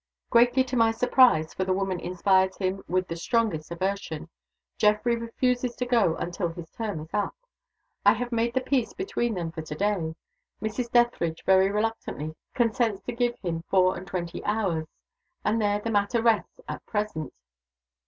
Greatly to my surprise (for the woman inspires him with the strongest aversion) Geoffrey refuses to go until his term is up. I have made the peace between them for to day. Mrs. Dethridge very reluctantly, consents to give him four and twenty hours. And there the matter rests at present."